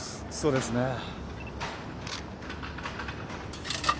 そうですね。